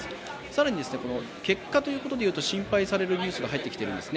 更に結果ということでいうと心配されるニュースが入ってきているんです。